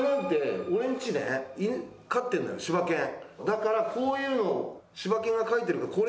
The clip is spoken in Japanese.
だからこういうの柴犬が描いてあるから。